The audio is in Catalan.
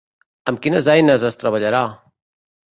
Amb quines eines es treballarà?